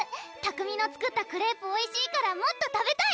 拓海の作ったクレープおいしいからもっと食べたい！